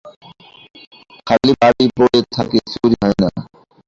খালি বাড়ি পড়ে থাকে, চুরি হয় না?